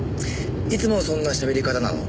いつもそんなしゃべり方なの？